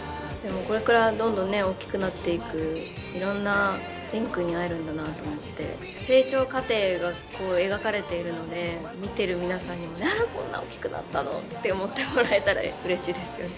これからどんどん大きくなっていくいろんな蓮くんに会えるんだなと思って成長過程がこう描かれているので見てる皆さんにもこんな大きくなったのって思ってもらえたらうれしいですよね。